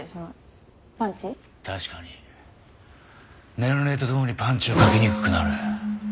年齢とともにパンチはかけにくくなる。